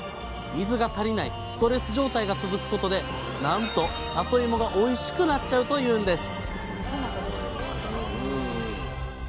水が足りないストレス状態が続くことでなんとさといもがおいしくなっちゃうというんです！